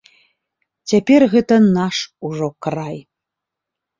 Цяпер гэта наш ужо край.